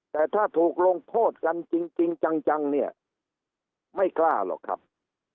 แต่ถ้าถูกลงโทษกันจริงจังเนี่ยไม่กล้าหรอกครับ